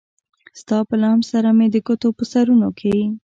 ستا په لمس سره مې د ګوتو په سرونو کې